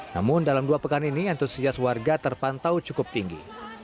namun dalam dua pekan ini antusias warga terpantau cukup tinggi